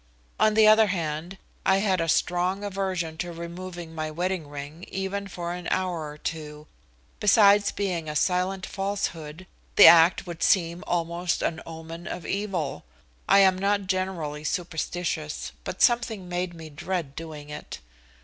On the other hand, I had a strong aversion to removing my wedding ring even for an hour or two. Besides being a silent falsehood, the act would seem almost an omen of evil. I am not generally superstitious, but something made me dread doing it.